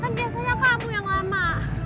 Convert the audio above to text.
kan biasanya kabu yang lama